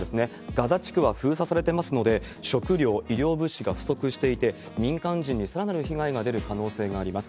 ガザ地区は封鎖されていますので、食料、医療物資が不足していて、民間人にさらなる被害が出る可能性があります。